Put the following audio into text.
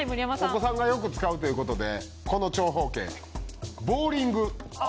お子さんがよく使うということでこの長方形。